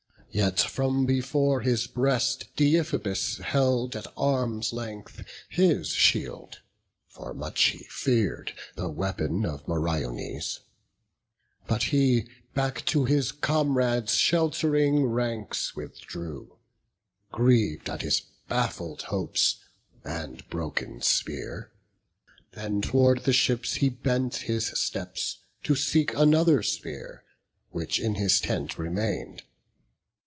Yet from before his breast Deiphobus Held at arm's length his shield; for much he fear'd The weapon of Meriones; but he Back to his comrades' shelt'ring ranks withdrew, Griev'd at his baffled hopes and broken spear. Then tow'rd the ships he bent his steps, to seek Another spear, which in his tent remain'd.